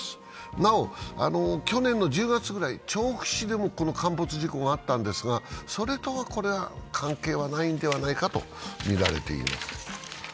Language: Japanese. なお、去年１０月ぐらい、調布市でも陥没事故があったんですがそれとは関係はないのではないかとみられています。